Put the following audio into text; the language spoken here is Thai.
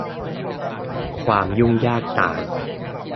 ความยุ่งยากต่าง